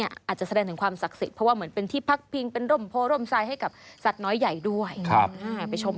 อาจจะแสดงถึงความศักดิ์ศิษย์เพราะว่าเป็น